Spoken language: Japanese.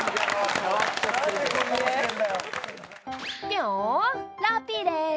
ぴょん、ラッピーです。